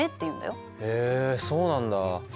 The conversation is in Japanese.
へえそうなんだ。